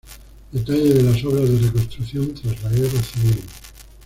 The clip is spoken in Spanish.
Detalle de las obras de reconstrucción tras la guerra civil.